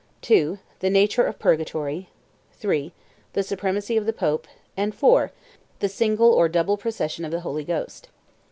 2. The nature of purgatory. 3. The supremacy of the pope. And, 4. The single or double procession of the Holy Ghost.